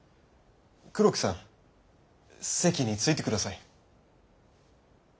黒木さん席について下さい。